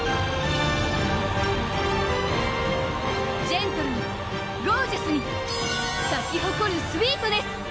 ジェントルにゴージャスに咲き誇るスウィートネス！